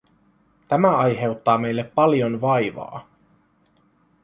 Tämä aiheuttaa meille paljon vaivaa.